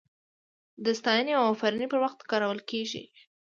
د ستاینې او افرین پر وخت کارول کیږي.